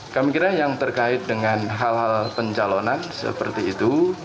kami kira yang terkait dengan hal hal pencalonan seperti itu